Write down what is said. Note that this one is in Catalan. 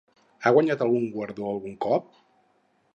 Ha guanyat algun guardó algun cop?